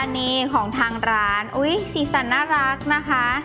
นี่ของทางร้านอุ้ยสีสันน่ารักนะคะ